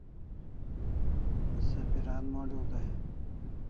Se piran mod'iu dai